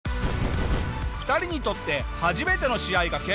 ２人にとって初めての試合が決定。